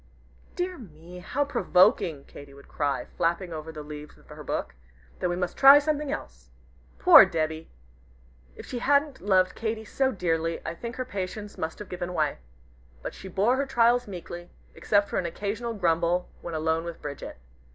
"Dear me, how provoking!" Katy would cry, flapping over the leaves of her book; "then we must try something else." Poor Debby! If she hadn't loved Katy so dearly, I think her patience must have given way. But she bore her trials meekly, except for an occasional grumble when alone with Bridget.